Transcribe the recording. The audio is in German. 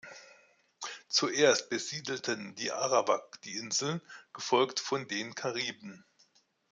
Zuerst besiedelten die Arawak die Insel, gefolgt von den Kariben.